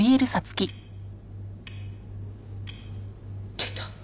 出た！